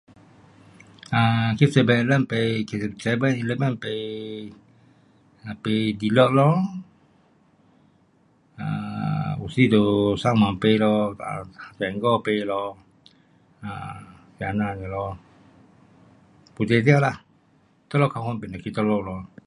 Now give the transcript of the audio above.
um 去 eleven 买，去 seven eleven 买,买 reload 咯，um 有时就上网买咯，先给买咯，这啊那咯，不一定啦，哪里较方便就去哪里咯。